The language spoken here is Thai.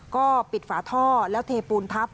ก็ปิดฝาท่อแล้วเทปูนทับ